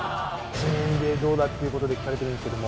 １万円でどうだっていうことで聞かれてるんですけども。